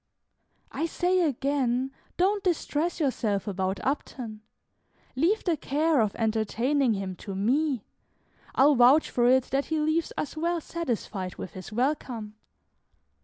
"I say again, don't distress yourself about Upton, leave the care of entertaining him to me. I 'll vouch for it that he leaves us well satisfied with his welcome."